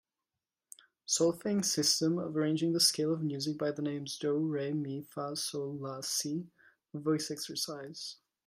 Solfaing system of arranging the scale of music by the names do, re, mi, fa, sol, la, si a voice exercise.